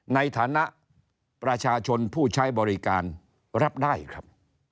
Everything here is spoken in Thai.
ในฐานะประชาชนผู้ใช้บริการรับได้ครับ